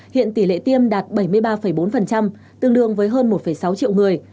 hiện tỷ lệ tiêm đạt bảy mươi ba bốn tương đương với hơn một sáu triệu người